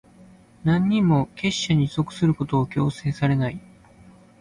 何人も、結社に属することを強制されない。